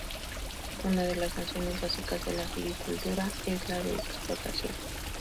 Una de las nociones básicas de la silvicultura es la de explotación.